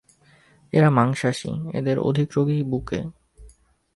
এরা মাংসাশী, এদের অধিক রোগই বুকে।